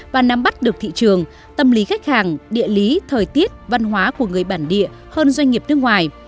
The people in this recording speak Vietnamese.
và nắm bắt được thị trường tâm lý khách hàng địa lý thời tiết văn hóa của người bản địa hơn doanh nghiệp nước ngoài